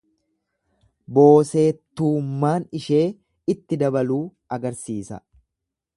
Booseettuummaan ishee itti dabaluu agarsiisa.